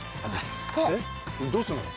えっどうすんの？